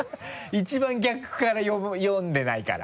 一番逆から読んでないから。